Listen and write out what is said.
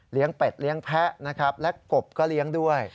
เป็ดเลี้ยงแพ้นะครับและกบก็เลี้ยงด้วย